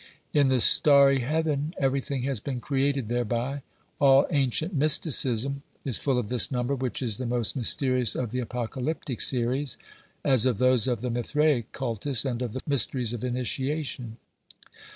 In the starry heaven, everything has been created thereby. All ancient mysticism is full of this number, which is the most mysterious of the apocalyptic series, as of those of the Mithraic cultus and of the mysteries of initiation.